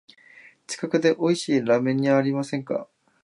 近くでおいしいラーメン屋ありませんか？